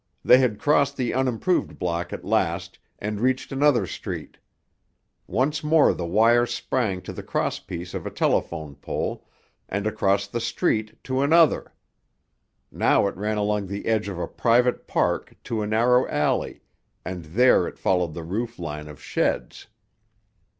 They had crossed the unimproved block at last and reached another street. Once more the wire sprang to the crosspiece of a telephone pole, and across the street to another. Now it ran along the edge of a private park to a narrow alley, and there it followed the roof line of sheds.